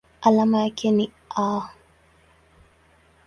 Alama yake ni Al.